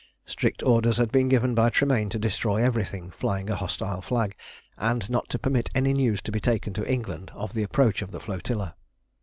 Strict orders had been given by Tremayne to destroy everything flying a hostile flag, and not to permit any news to be taken to England of the approach of the flotilla.